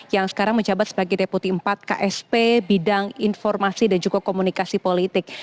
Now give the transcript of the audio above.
yang sekarang menjabat sebagai deputi empat ksp bidang informasi dan juga komunikasi politik